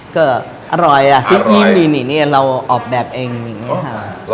ก็อร่อยอ่ะยิ้มดีเราออกแบบเองอย่างนี้ค่ะ